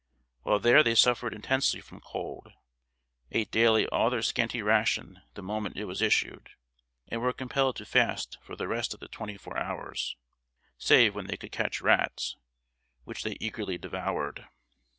While there they suffered intensely from cold, ate daily all their scanty ration the moment it was issued, and were compelled to fast for the rest of the twenty four hours, save when they could catch rats, which they eagerly devoured.